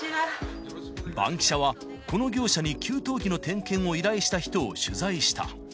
バンキシャは、この業者に給湯器の点検を依頼した人を取材した。